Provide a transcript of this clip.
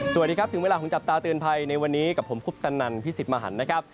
สวัสดีครับถึงเวลาของจับตาเตือนภัยในวันนี้กับผมคุปตนันพิสิทธิ์มหันนะครับ